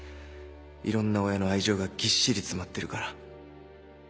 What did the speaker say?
いろんな親の愛情がぎっしり詰まってるから。